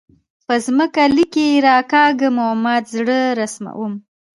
په ځمکه لیکې راکاږم او مات زړګۍ رسموم